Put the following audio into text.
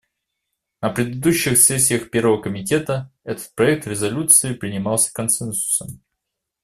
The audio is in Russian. На предыдущих сессиях Первого комитета этот проект резолюции принимался консенсусом.